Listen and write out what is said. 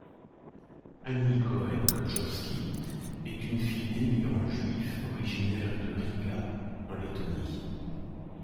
Annie Cohen Kopchovsky est une fille d’émigrants juifs originaires de Riga en Lettonie.